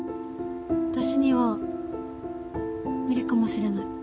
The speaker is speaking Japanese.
私には無理かもしれない。